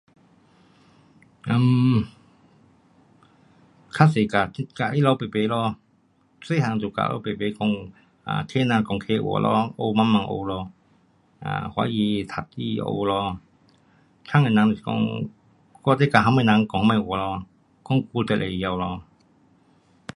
um 较多跟，跟他们排排咯。小个就跟他排排讲，um 客人讲客话咯。学也学咯，um 华语读书学咯，参的人是讲，看你跟什么人讲什么话咯。讲久就会晓咯。